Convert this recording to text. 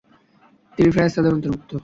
তিনি ফেরেশতাদের অন্তর্ভুক্ত।